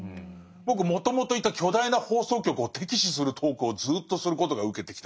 僕もともといた巨大な放送局を敵視するトークをずっとすることがウケてきたりとかして。